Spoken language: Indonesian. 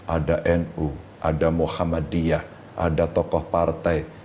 ada nu ada muhammadiyah ada tokoh partai